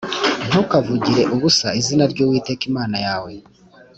Ntukavugire ubusa izina ry Uwiteka Imana yawe.